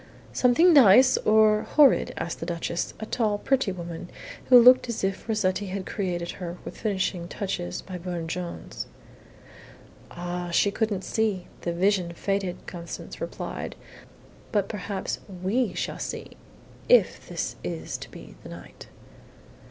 "Something nice, or horrid?" asked the Duchess, a tall, pretty woman, who looked as if Rossetti had created her, with finishing touches by Burne Jones. "Ah, she couldn't see. The vision faded," Constance replied. "But perhaps we shall see if this is to be the night."